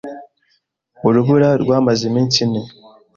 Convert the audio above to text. Urubura rwamaze iminsi ine.